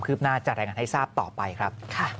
หน้าจะรายงานให้ทราบต่อไปครับ